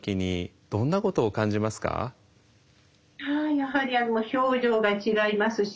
やはり表情が違いますし